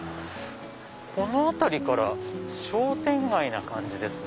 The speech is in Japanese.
この辺りから商店街な感じですね。